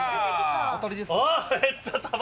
当たりですか？